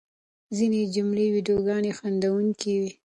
ځینې جعلي ویډیوګانې خندوونکې وي.